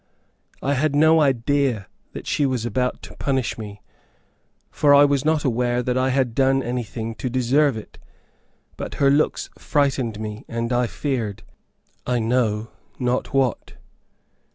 I had no idea that she was about to punish me, for I was not aware that I had done anything to deserve it; but her looks frightened me, and I feared, I know not what.